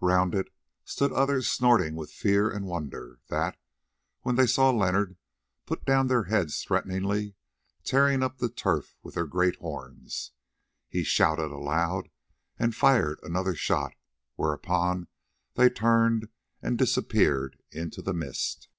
Round it stood others snorting with fear and wonder, that, when they saw Leonard, put down their heads threateningly, tearing up the turf with their great horns. He shouted aloud and fired another shot, whereon they turned and disappeared into the mist.